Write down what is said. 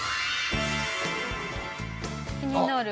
気になる。